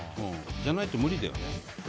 じゃないと無理だよね。